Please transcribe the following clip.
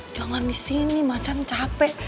jangan disini macem capek